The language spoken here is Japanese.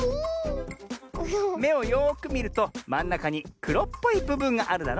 めをよくみるとまんなかにくろっぽいぶぶんがあるだろう？